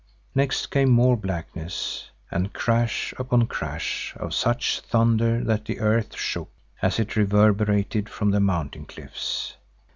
Next came more blackness and crash upon crash of such thunder that the earth shook as it reverberated from the mountain cliffs.